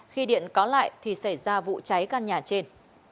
khi điện có lại thì xảy ra vụ cháy căn nhà trên